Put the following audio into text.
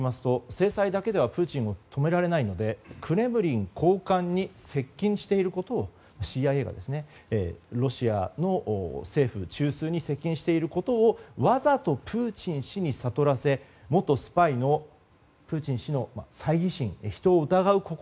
制裁だけではプーチンを止められないのでクレムリン高官に接近していることをＣＩＡがロシアの政府中枢に接近していることをわざとプーチン氏に悟らせ元スパイのプーチン氏の猜疑心人を疑う心